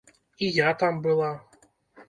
І я там была.